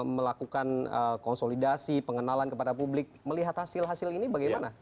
melakukan konsolidasi pengenalan kepada publik melihat hasil hasil ini bagaimana